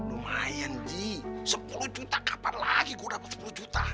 lumayan sih sepuluh juta kapan lagi gue dapat sepuluh juta